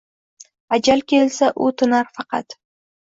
Ajal kelsa, u tinar faqat…